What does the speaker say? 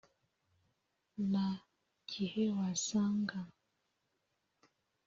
nta gihe wasanga